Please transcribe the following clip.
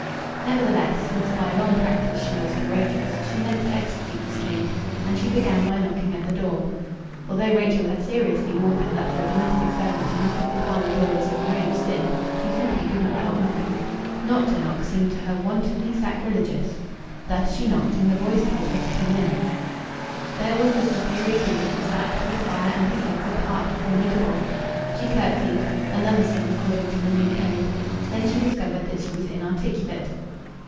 Nevertheless, since by long practice she was courageous, she meant to execute the scheme. And she began by knocking at the door. Although Rachel had seriously warned her that for a domestic servant to knock at the parlour door was a grave sin, she simply could not help knocking. Not to knock seemed to her wantonly sacrilegious. Thus she knocked, and a voice told her to come in. There was the superior being, his back to the fire and his legs apart formidable! She curtsied another sin according to the new code. Then she discovered that she was inarticulate.